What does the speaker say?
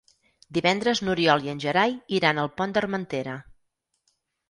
Divendres n'Oriol i en Gerai iran al Pont d'Armentera.